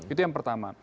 itu yang pertama